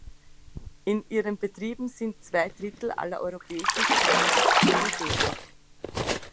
In ihren Betrieben sind zwei Drittel aller europäischen Beschäftigten tätig.